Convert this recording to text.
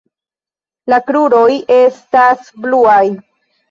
La kruroj estas bluaj.